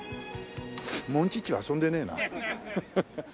モンチッチは遊んでねえな。